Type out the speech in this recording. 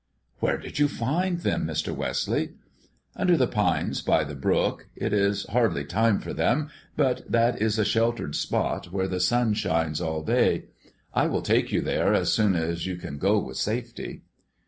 "Where did you find them, Mr. Wesley?" "Under the pines, by the brook. It is hardly time for them, but that is a sheltered spot, where the sun shines all day. I will take you there as soon as you can go with safety."